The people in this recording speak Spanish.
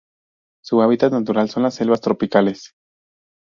Su hábitat natural son las selvas tropicales.